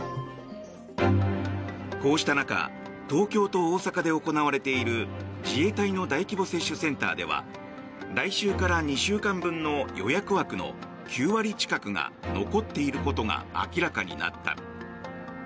こうした中東京と大阪で行われている自衛隊の大規模接種センターでは来週から２週間分の予約枠の９割近くが残っていることが明らかになった。